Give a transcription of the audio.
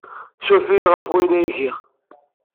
Ssuref-iyi ɣef wayen ay giɣ.